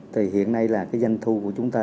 thì hiện nay là cái doanh thu của chúng ta